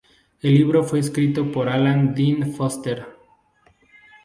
El libro fue escrito por Alan Dean Foster.